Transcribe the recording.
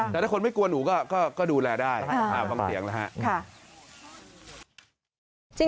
แต่ถ้าคนไม่กลัวหนูก็ดูแลได้บางสิ่งแล้วฮะ